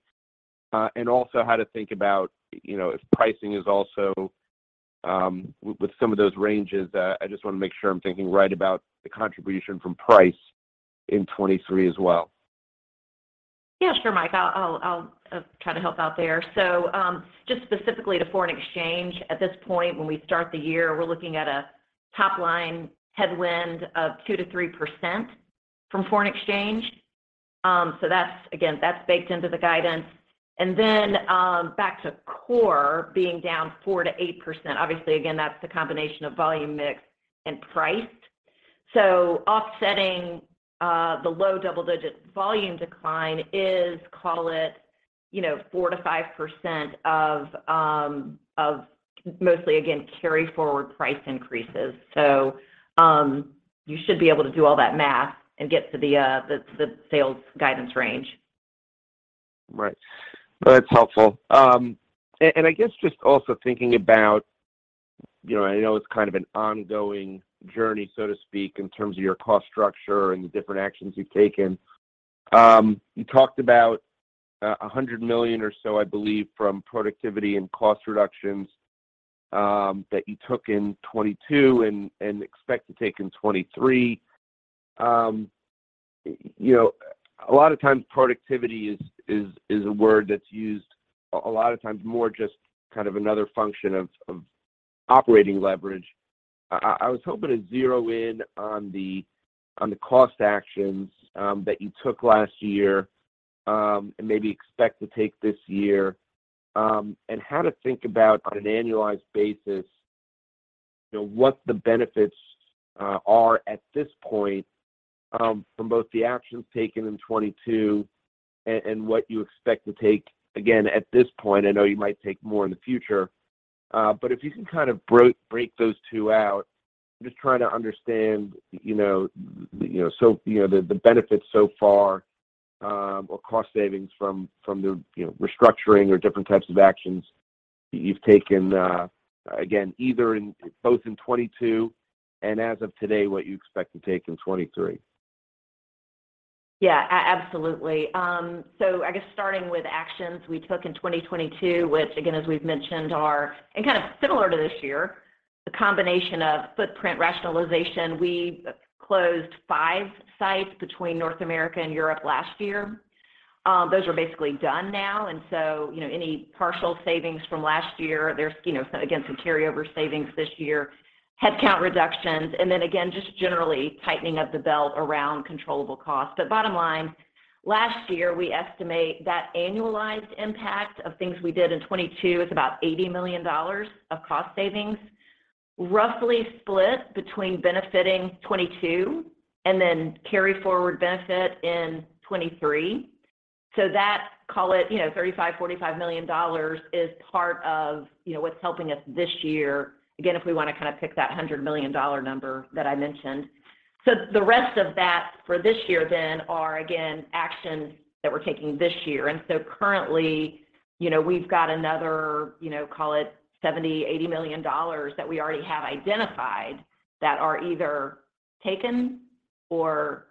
Also how to think about, you know, if pricing is also with some of those ranges. I just wanna make sure I'm thinking right about the contribution from price in 2023 as well. Yeah, sure, Mike. I'll try to help out there. Just specifically to foreign exchange, at this point, when we start the year, we're looking at a top-line headwind of 2%-3% from foreign exchange. Again, that's baked into the guidance. Back to core being down 4%-8%. Obviously, again, that's the combination of volume mix and price. Offsetting the low double-digit volume decline is, call it, you know, 4%-5% of mostly, again, carry forward price increases. You should be able to do all that math and get to the sales guidance range. Right. That's helpful. I guess just also thinking about, you know, I know it's kind of an ongoing journey, so to speak, in terms of your cost structure and the different actions you've taken. You talked about $100 million or so, I believe, from productivity and cost reductions that you took in 2022 and expect to take in 2023. You know, a lot of times productivity is a word that's used a lot of times more just kind of another function of operating leverage. I was hoping to zero in on the cost actions that you took last year and maybe expect to take this year, and how to think about on an annualized basis, you know, what the benefits are at this point from both the actions taken in 2022 and what you expect to take again at this point. I know you might take more in the future, but if you can kind of break those two out. I'm just trying to understand, you know, so, you know, the benefits so far or cost savings from the restructuring or different types of actions you've taken, again, both in 2022 and as of today, what you expect to take in 2023. Yeah. Absolutely. I guess starting with actions we took in 2022, which again, as we've mentioned are, and kind of similar to this year, the combination of footprint rationalization. We closed five sites between North America and Europe last year. Those are basically done now, you know, any partial savings from last year, there's, you know, again, some carryover savings this year, headcount reductions, and then again, just generally tightening of the belt around controllable costs. Bottom line, last year, we estimate that annualized impact of things we did in 2022 is about $80 million of cost savings, roughly split between benefiting 2022 and then carry forward benefit in 2023. That, call it, you know, $35 million-$45 million is part of, you know, what's helping us this year. If we want to kind of pick that $100 million number that I mentioned. The rest of that for this year then are again, actions that we're taking this year. Currently, you know, we've got another, you know, call it $70 million-$80 million that we already have identified that are either taken or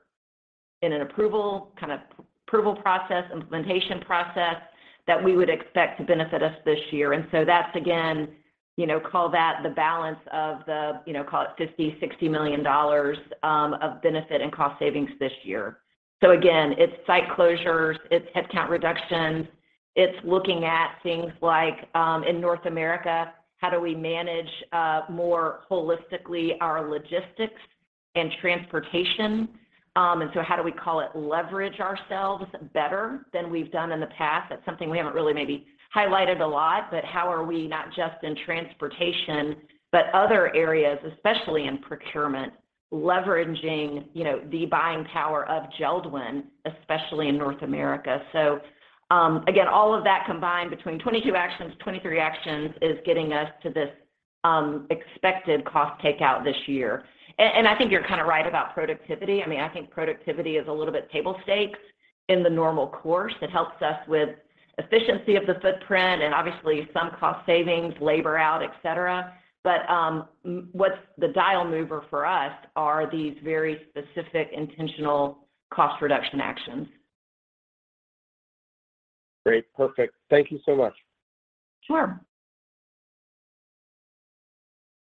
in an approval, kind of approval process, implementation process that we would expect to benefit us this year. That's again, you know, call that the balance of the, you know, call it $50 million-$60 million of benefit and cost savings this year. Again, it's site closures, it's headcount reductions. It's looking at things like, in North America, how do we manage more holistically our logistics and transportation? How do we, call it, leverage ourselves better than we've done in the past? That's something we haven't really maybe highlighted a lot, but how are we, not just in transportation, but other areas, especially in procurement, leveraging, you know, the buying power of Jeld-Wen, especially in North America. Again, all of that combined between 2022 actions, 2023 actions is getting us to this expected cost takeout this year. And I think you're kind of right about productivity. I mean, I think productivity is a little bit table stakes in the normal course. It helps us with efficiency of the footprint and obviously some cost savings, labor out, et cetera. What's the dial mover for us are these very specific, intentional cost reduction actions. Great. Perfect. Thank you so much. Sure.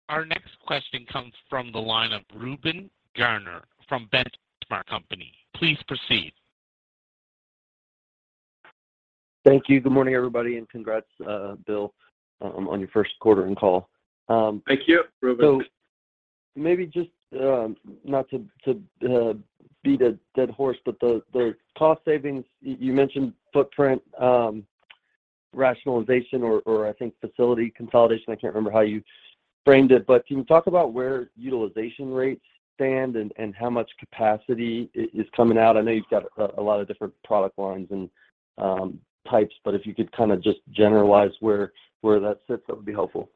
Our next question comes from the line of Reuben Garner from Benchmark Company. Please proceed. Thank you. Good morning, everybody, and congrats, Bill, on your 1st quarter and call. Thank you, Reuben. Maybe just not to beat a dead horse, but the cost savings, you mentioned footprint, rationalization or I think facility consolidation. I can't remember how you framed it, but can you talk about where utilization rates stand and how much capacity is coming out? I know you've got a lot of different product lines and types, but if you could kind of just generalize where that sits, that would be helpful.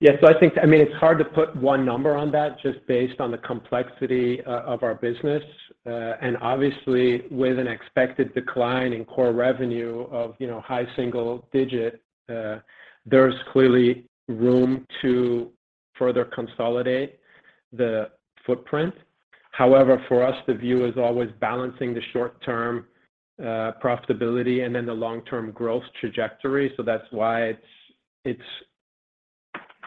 Yeah. I think, I mean, it's hard to put 1 number on that just based on the complexity of our business. Obviously, with an expected decline in core revenue of, you know, high single digit, there's clearly room to further consolidate the footprint. However, for us, the view is always balancing the short-term profitability and then the long-term growth trajectory. That's why it's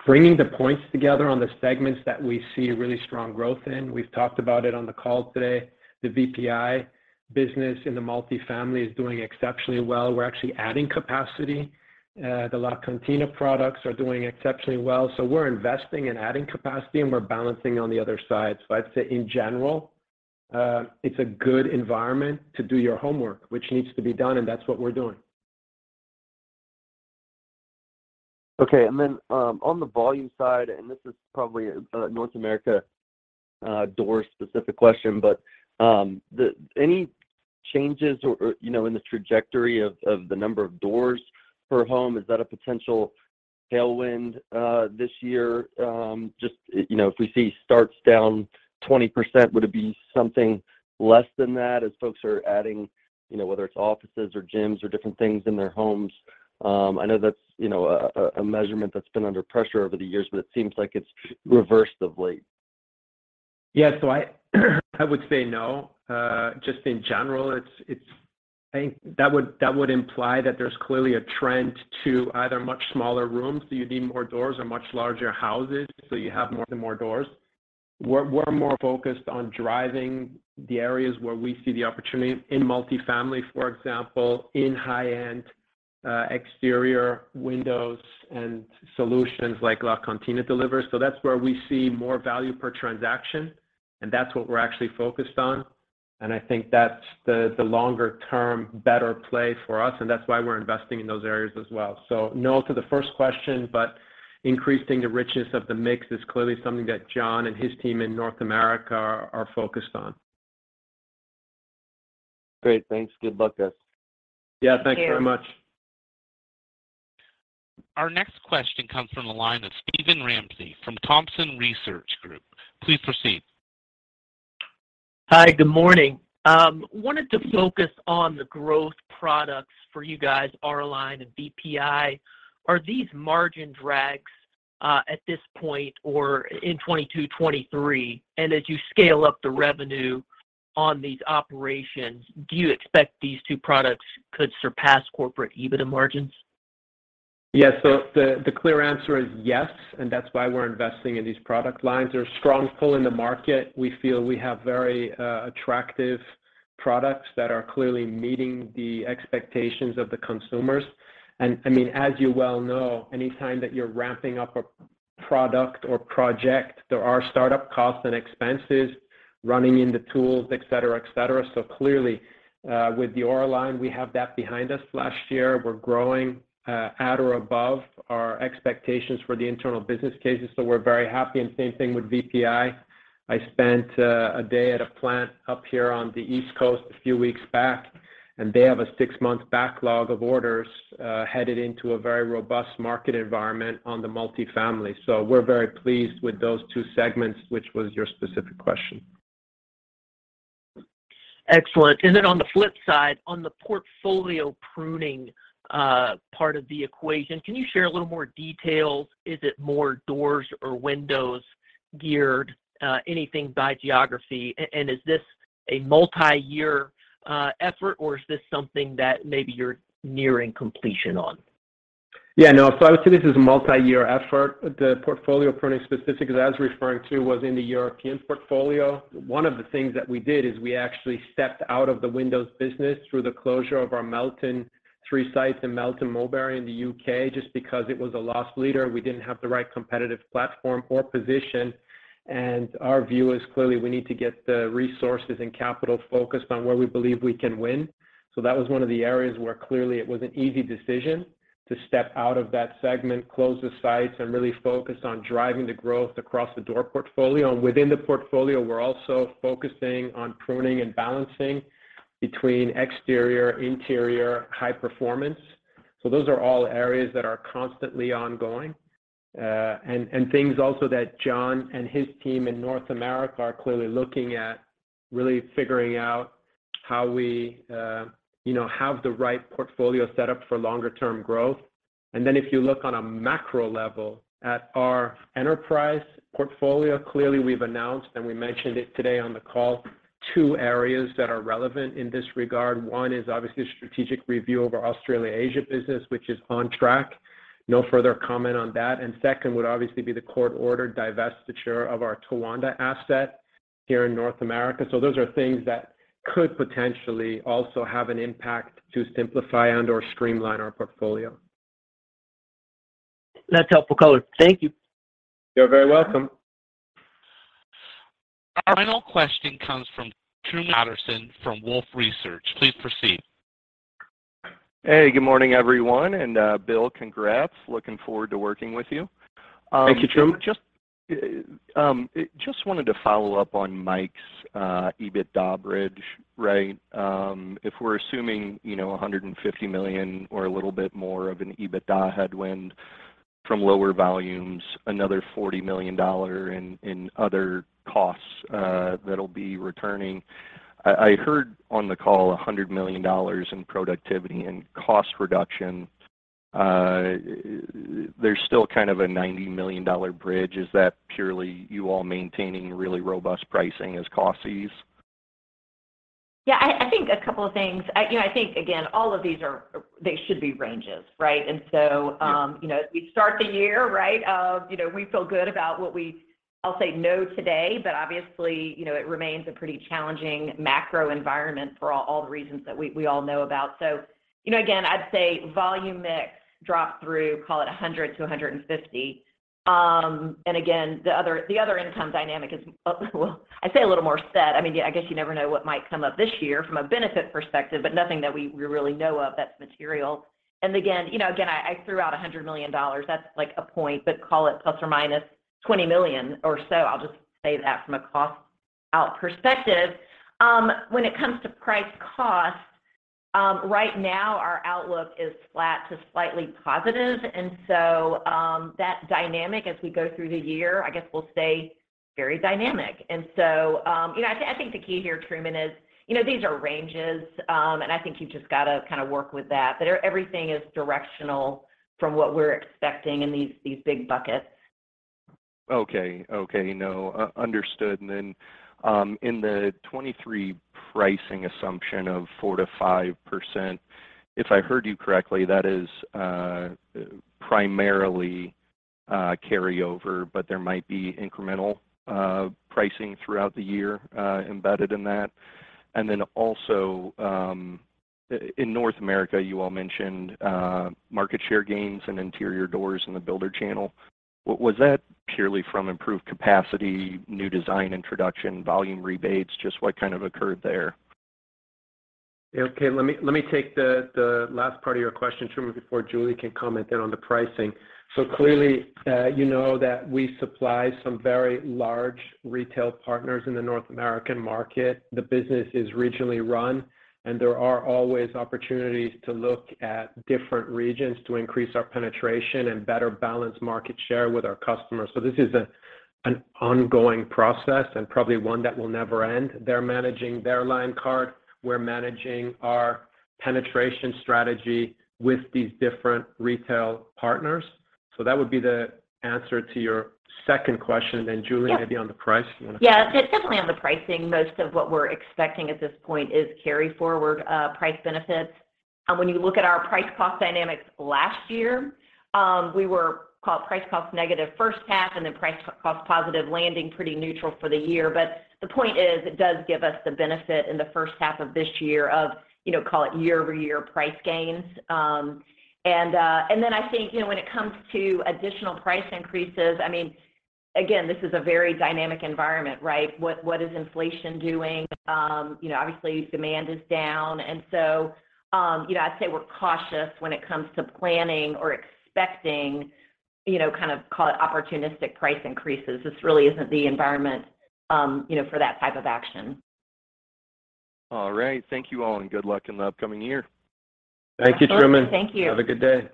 bringing the points together on the segments that we see really strong growth in, we've talked about it on the call today, the VPI business in the multifamily is doing exceptionally well. We're actually adding capacity. The LaCantina products are doing exceptionally well, so we're investing and adding capacity, and we're balancing on the other side. I'd say in general, it's a good environment to do your homework, which needs to be done, and that's what we're doing. Okay. On the volume side, and this is probably a North America, doors specific question, but, any changes or, you know, in the trajectory of the number of doors per home, is that a potential tailwind, this year? Just, you know, if we see starts down 20%, would it be something less than that as folks are adding, you know, whether it's offices or gyms or different things in their homes? I know that's, you know, a measurement that's been under pressure over the years, but it seems like it's reversed of late. Yeah. I would say no. Just in general, I think that would, that would imply that there's clearly a trend to either much smaller rooms, so you need more doors, or much larger houses, so you have more and more doors. We're more focused on driving the areas where we see the opportunity in multifamily, for example, in high-end, exterior windows and solutions like LaCantina delivers. That's where we see more value per transaction, and that's what we're actually focused on, and I think that's the longer term better play for us, and that's why we're investing in those areas as well. No to the first question, but increasing the richness of the mix is clearly something that John and his team in North America are focused on. Great. Thanks. Good luck, guys. Yeah. Thanks very much. Our next question comes from the line of Steven Ramsey from Thompson Research Group. Please proceed. Hi. Good morning. wanted to focus on the growth products for you guys, Auraline and VPI. Are these margin drags at this point or in 2022, 2023? As you scale up the revenue on these operations, do you expect these two products could surpass corporate EBITDA margins? The clear answer is yes, and that's why we're investing in these product lines. There's strong pull in the market. We feel we have very attractive products that are clearly meeting the expectations of the consumers. I mean as you well know, anytime that you're ramping up a product or project, there are startup costs and expenses running in the tools, et cetera, et cetera. Clearly, with the Auraline, we have that behind us. Last year, we're growing at or above our expectations for the internal business cases, so we're very happy. Same thing with VPI Quality Windows. I spent a day at a plant up here on the East Coast a few weeks back, and they have a six-month backlog of orders headed into a very robust market environment on the multifamily. We're very pleased with those two segments, which was your specific question. Excellent. On the flip side, on the portfolio pruning, part of the equation, can you share a little more details? Is it more doors or windows geared, anything by geography? Is this a multi-year effort, or is this something that maybe you're nearing completion on? Yeah, no. I would say this is a multi-year effort. The portfolio pruning specific that I was referring to was in the European portfolio. One of the things that we did is we actually stepped out of the windows business through the closure of our Melton three sites in Melton Mowbray in the U.K., just because it was a loss leader. We didn't have the right competitive platform or position. Our view is clearly we need to get the resources and capital focused on where we believe we can win. That was one of the areas where clearly it was an easy decision to step out of that segment, close the sites, and really focus on driving the growth across the door portfolio. Within the portfolio, we're also focusing on pruning and balancing between exterior, interior, high performance. Those are all areas that are constantly ongoing, and things also that John and his team in North America are clearly looking at really figuring out how we, you know, have the right portfolio set up for longer term growth. If you look on a macro level at our enterprise portfolio, clearly we've announced, and we mentioned it today on the call, two areas that are relevant in this regard. One is obviously strategic review of our Australasia business, which is on track. No further comment on that. Second would obviously be the court-ordered divestiture of our Towanda asset here in North America. Those are things that could potentially also have an impact to simplify and/or streamline our portfolio. That's helpful color. Thank you. You're very welcome. Our final question comes from Truman Patterson from Wolfe Research. Please proceed. Hey, good morning, everyone. Bill, congrats. Looking forward to working with you. Thank you, Truman. Wanted to follow up on Mike's EBITDA bridge, right? If we're assuming, you know, $150 million or a little bit more of an EBITDA headwind from lower volumes, another $40 million in other costs that'll be returning. I heard on the call $100 million in productivity and cost reduction. There's still kind of a $90 million bridge. Is that purely you all maintaining really robust pricing as costs ease? Yeah, I think a couple of things. I, you know, I think again, all of these they should be ranges, right? You know, as we start the year, right, of, you know, we feel good about what we all say no today, but obviously, you know, it remains a pretty challenging macro environment for all the reasons that we all know about. You know, again, I'd say volume mix drop through, call it $100-$150. Again, the other income dynamic is, well, I'd say a little more set. I mean, yeah, I guess you never know what might come up this year from a benefit perspective, but nothing that we really know of that's material. You know, again, I threw out $100 million. That's like a point, but call it ±$20 million or so. I'll just say that from a cost out perspective. When it comes to price cost, right now our outlook is flat to slightly positive. That dynamic as we go through the year, I guess, will stay very dynamic. You know, I think the key here, Truman, is, you know, these are ranges, and I think you've just got to kind of work with that. Everything is directional from what we're expecting in these big buckets. Okay. Okay. No, understood. In the 2023 pricing assumption of 4% to 5%, if I heard you correctly, that is primarily carryover, but there might be incremental pricing throughout the year embedded in that. Also, in North America, you all mentioned market share gains in interior doors in the builder channel. Was that purely from improved capacity, new design introduction, volume rebates? Just what kind of occurred there? Okay. Let me take the last part of your question, Truman, before Julie can comment on the pricing. Clearly, you know that we supply some very large retail partners in the North American market. The business is regionally run. There are always opportunities to look at different regions to increase our penetration and better balance market share with our customers. This is an ongoing process and probably one that will never end. They're managing their line card, we're managing our penetration strategy with these different retail partners. That would be the answer to your second question. Julie. Yes. Maybe on the price. Yeah. Definitely on the pricing, most of what we're expecting at this point is carry forward price benefits. When you look at our price cost dynamics last year, we were call it price cost negative 1st half and then price cost positive landing pretty neutral for the year. The point is, it does give us the benefit in the 1st half of this year of, you know, call it year-over-year price gains. I think, you know, when it comes to additional price increases, I mean, again, this is a very dynamic environment, right? What is inflation doing? You know, obviously demand is down. You know, I'd say we're cautious when it comes to planning or expecting, you know, kind of call it opportunistic price increases. This really isn't the environment, you know, for that type of action. All right. Thank you all, and good luck in the upcoming year. Thank you, Truman. Thank you. Have a good day.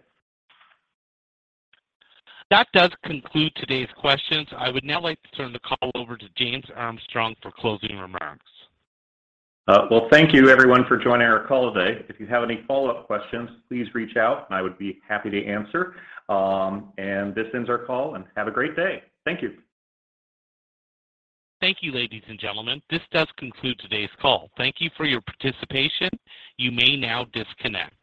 That does conclude today's questions. I would now like to turn the call over to James Armstrong for closing remarks. Well, thank you everyone for joining our call today. If you have any follow-up questions, please reach out, and I would be happy to answer. This ends our call, and have a great day. Thank you. Thank you, ladies and gentlemen. This does conclude today's call. Thank you for your participation. You may now disconnect.